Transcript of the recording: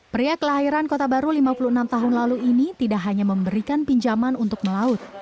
pria kelahiran kota baru lima puluh enam tahun lalu ini tidak hanya memberikan pinjaman untuk melaut